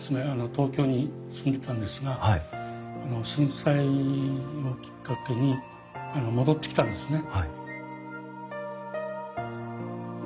東京に住んでたんですが震災をきっかけに戻ってきたんですね。